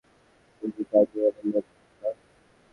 তুমি কার্নিভ্যালের লোক, না?